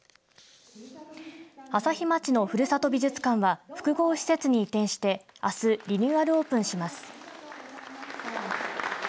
朝日町のふるさと美術館は複合施設に移転してあすリニューアルオープンします。